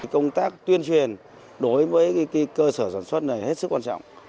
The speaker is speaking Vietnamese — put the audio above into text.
công tác tuyên truyền đối với cơ sở sản xuất này hết sức quan trọng